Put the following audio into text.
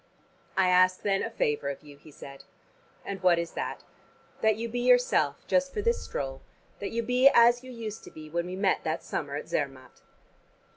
"I ask then a favor of you," he said. "And what is that?" "That you be yourself just for this stroll: that you be as you used to be when we met that summer at Zermatt."